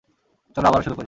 চলো আবারও শুরু করি।